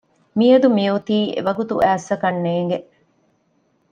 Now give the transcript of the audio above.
މިއަދު މިއޮތީ އެވަގުތު އައިއްސަ ކަންނޭނގެ